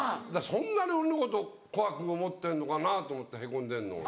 そんなに俺のこと怖く思ってるのかなと思って凹んでるの俺。